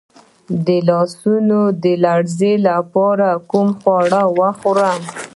د لاسونو د لرزې لپاره کوم خواړه وخورم؟